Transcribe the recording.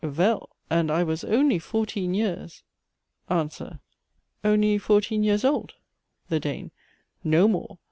Vell, and I was only fourteen years ANSWER. Only fourteen years old? THE DANE. No more.